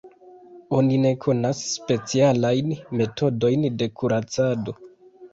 Oni ne konas specialajn metodojn de kuracado.